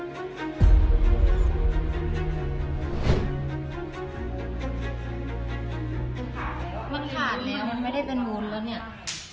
มันขาดเนี่ยมันไม่ได้เป็นโว้นแล้วเนี่ย